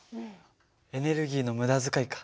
エネルギーの無駄遣いか。